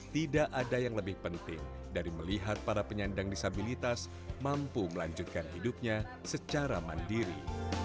tidak ada yang lebih penting dari melihat para penyandang disabilitas mampu melanjutkan hidupnya secara mandiri